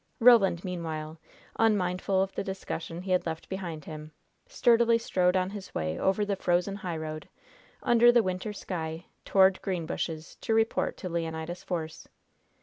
Roland, meanwhile, unmindful of the discussion he had left behind him, sturdily strode on his way over the frozen highroad, under the winter sky, toward Greenbushes, to report to Leonidas Force.